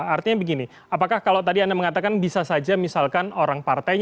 artinya begini apakah kalau tadi anda mengatakan bisa saja misalkan orang partainya